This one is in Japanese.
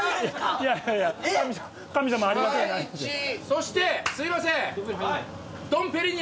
そしてすいません！